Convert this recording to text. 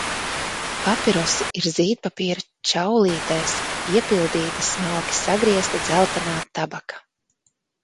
Papirosi ir zīdpapīra čaulītēs iepildīta smalki sagriezta dzeltenā tabaka.